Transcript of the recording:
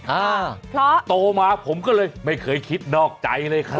อ่าเพราะโตมาผมก็เลยไม่เคยคิดนอกใจเลยครับ